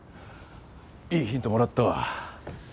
いいヒントもらったわ。